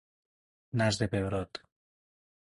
Nas de pebrot.